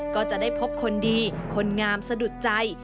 ก็จะได้พบคนดีคนงามสะดุดใจ